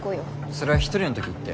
それは１人の時行って。